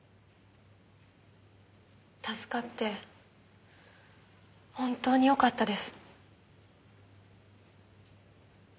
助かって本当によかったです。